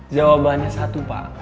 jawabannya satu pak